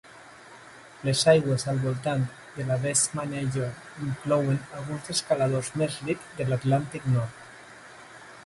Les aigües al voltant de les Vestmannaeyjar inclouen alguns dels caladors més rics de l'Atlàntic Nord.